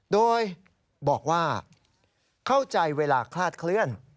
โดยบอกว่าเข้าใจเวลาคลาดเคลื่อน